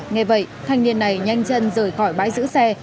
nghe vậy thanh niên này nhanh chân rời khỏi bãi giữ xe